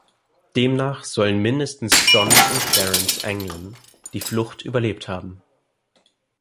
Demnach sollen mindestens John und Clarence Anglin die Flucht überlebt haben.